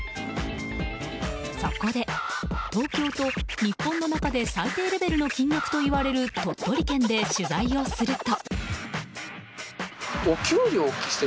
そこで東京と、日本の中で最低レベルの金額といわれる鳥取県で取材をすると。